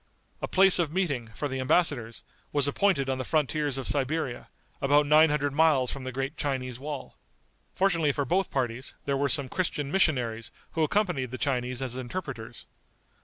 A place of meeting, for the embassadors, was appointed on the frontiers of Siberia, about nine hundred miles from the great Chinese wall. Fortunately for both parties, there were some Christian missionaries who accompanied the Chinese as interpreters.